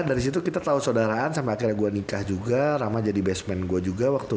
dari situ kita tahu saudaraan saya kira gua nikah juga rama jadi basman gua juga waktu